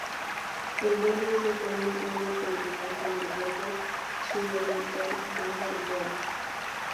El borde es de forma algo poligonal, con el borde suroriental más redondeado.